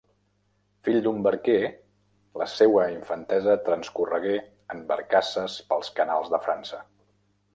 Fill d'un barquer, la seua infantesa transcorregué en barcasses pels canals de França.